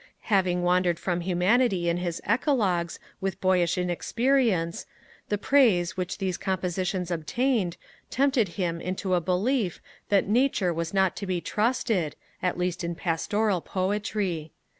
Having wandered from humanity in his Eclogues with boyish inexperience, the praise, which these compositions obtained, tempted him into a belief that Nature was not to be trusted, at least in pastoral Poetry.